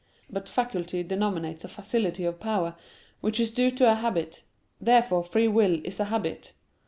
But faculty denominates a facility of power, which is due to a habit. Therefore free will is a habit.